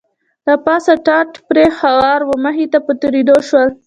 له پاسه ټاټ پرې هوار و، مخې ته په تېرېدو شول.